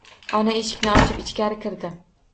Ona eshikni ochib, ichkari kirdi.